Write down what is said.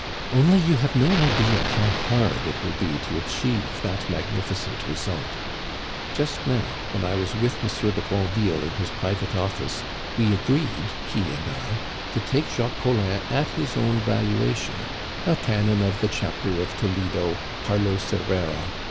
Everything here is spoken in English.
"Only you have no idea how hard it will be to achieve that magnificent result. Just now, when I was with Monsieur de Granville in his private office, we agreed, he and I, to take Jacques Collin at his own valuation a canon of the Chapter of Toledo, Carlos Herrera.